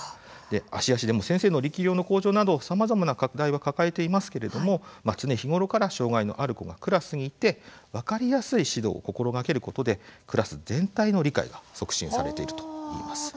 芦屋市でも先生の力量の向上などさまざまな課題は抱えていますけれども常日頃から障害のある子がクラスにいて分かりやすい指導を心がけることで、クラス全体の理解が促進されているといいます。